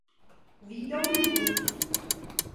vi daŭrigu!